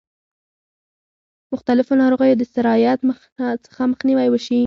مختلفو ناروغیو د سرایت څخه مخنیوی وشي.